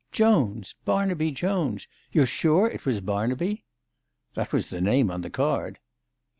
Jones ! Barnaby Jones ! You're sure it was Barnaby? "" That was the name on the card."